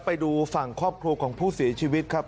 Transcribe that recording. ไปดูฝั่งครอบครัวของผู้เสียชีวิตครับ